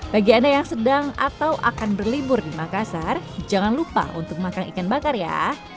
bagi anda yang sedang atau akan berlibur di makassar jangan lupa untuk makan ikan bakar ya